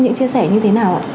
những chia sẻ như thế nào ạ